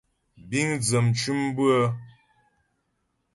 Bíŋ dzə mcʉ̌m bʉ́ə.